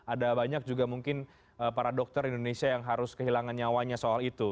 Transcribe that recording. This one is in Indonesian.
ada banyak juga mungkin para dokter indonesia yang harus kehilangan nyawanya soal itu